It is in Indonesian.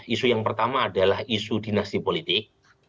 isu yang pertama adalah isu dinasti politik